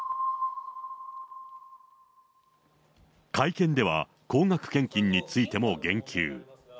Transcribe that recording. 会見では、高額献金についても言及。